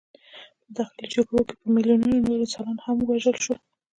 په داخلي جګړو کې په میلیونونو نور انسانان هم ووژل شول.